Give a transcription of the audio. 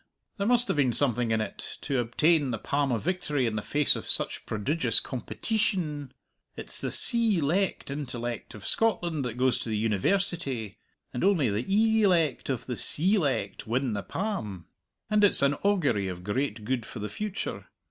There must have been something in it to obtain the palm of victory in the face of such prodigious competeetion. It's the see lect intellect of Scotland that goes to the Univairsity, and only the ee lect of the see lect win the palm. And it's an augury of great good for the future.